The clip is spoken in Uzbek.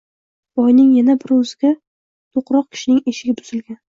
Boyning yana bir o‘ziga to‘qroq kishining eshigi buzilgan